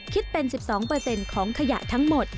คิดเป็น๑๒ของขยะทั้งหมด